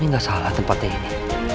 ini gak salah tempatnya ini